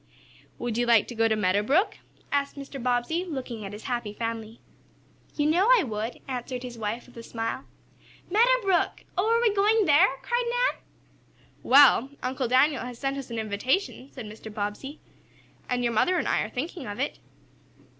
"Would you like to go to Meadow Brook?" asked Mr. Bobbsey, looking at his happy family. "You know I would," answered his wife, with a smile. "Meadow Brook! Oh, are we going there?" cried Nan. "Well, Uncle Daniel has sent us an invitation," said Mr. Bobbsey, "and your mother and I are thinking of it."